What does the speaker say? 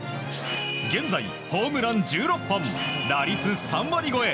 現在ホームラン１６本打率３割超え。